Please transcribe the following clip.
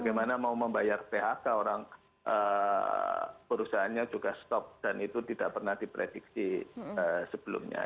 karena mau membayar phk orang perusahaannya juga stop dan itu tidak pernah diprediksi sebelumnya